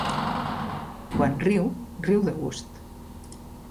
Quan riu, riu de gust.